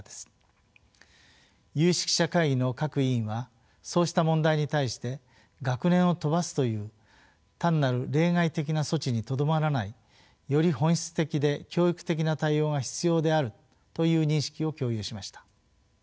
有識者会議の各委員はそうした問題に対して学年を飛ばすという単なる例外的な措置にとどまらないより本質的で教育的な対応が必要であるという認識を共有しました。